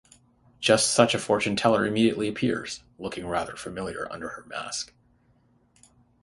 Just such a fortune-teller immediately appears, looking rather familiar under her mask.